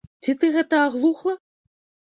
Ці ты гэта аглухла?